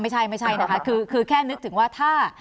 ไม่ใช่ไม่ใช่นะคะคือแค่นึกถึงว่าถ้า